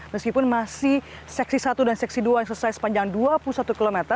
meskipun masih seksi satu dan seksi dua yang selesai sepanjang dua puluh satu km